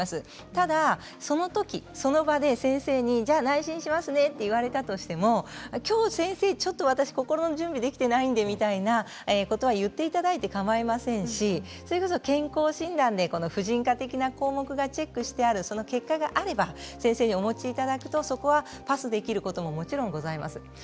ただ、そのとき、その場で先生に内診しますねと言われたとしても先生きょうはちょっと心の準備ができていないのでみたいなことは言っていただいてかまいませんしそれこそ健康診断で婦人科的な項目がチェックしてあるその結果があれば先生にお持ちいただくとそこはパスできることももちろんあります。